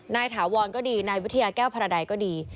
ถาวรก็ดีนายวิทยาแก้วพระใดก็ดี